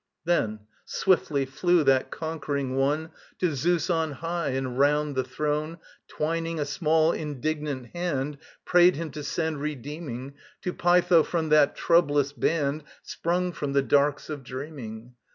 Then swiftly flew that conquering one To Zeus on high, and round the throne Twining a small indignant hand, Prayed him to send redeeming To Pytho from that troublous band Sprung from the darks of dreaming.